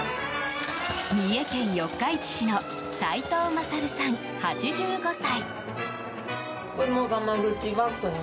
三重県四日市市の齋藤勝さん、８５歳。